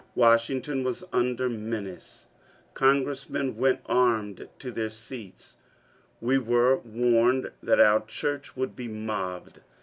Washington was under menace ; con gressmen went armed to their seats ; we were warned that our church would be mobbed.